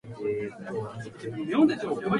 さらば